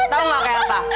tau gak kayak apa